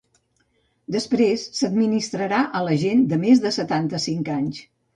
Després, s’administrarà a la gent de més de setanta-cinc anys.